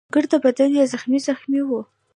ګرده بدن يې زخمي زخمي وو.